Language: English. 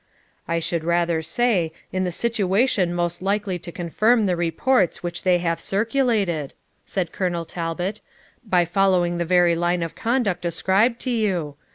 'I should rather say, in the situation most likely to confirm the reports which they have circulated,' said Colonel Talbot, 'by following the very line of conduct ascribed to you.